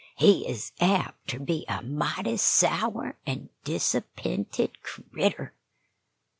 He is apt ter be a mighty sour an' disapp'inted critter."